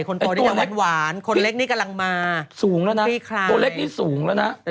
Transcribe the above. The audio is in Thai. คนโตที่จะหวานคนเล็กนี่กำลังมาพี่ครายสูงแล้วนะตัวเล็กนี่สูงแล้วนะ